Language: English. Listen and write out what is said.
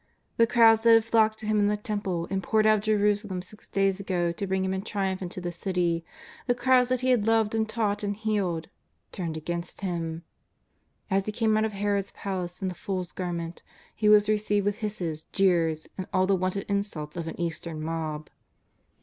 The crowds that had flocked to Him in the Temple and poured out of Jerusalem six days ago to bring Him in triumph into the City, the crowds that He had loved and taught and healed, turned against Him. As He came out of Herod's palace in the fool's garment. He was received with hisses, jeers, and all the wonted in sults of an Eastern mob.